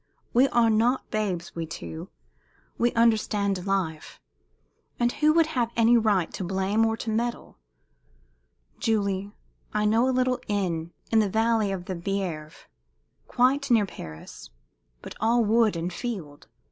We are not babes, we two. We understand life. And who would have any right to blame or to meddle? Julie, I know a little inn in the valley of the Bièvre, quite near Paris, but all wood and field.